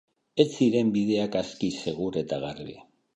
Ez ziren bideak aski segur eta garbi.